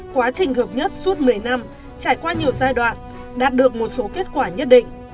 quá trình hợp nhất suốt một mươi năm trải qua nhiều giai đoạn đạt được một số kết quả nhất định